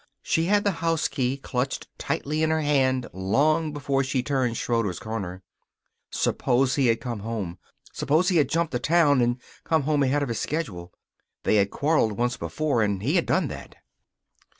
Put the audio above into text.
She had the house key clutched tightly in her hand long before she turned Schroeder's corner. Suppose he had come home! Suppose he had jumped a town and come home ahead of his schedule. They had quarreled once before, and he had done that.